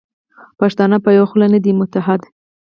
پښتانه په یوه خوله نه دي متحد.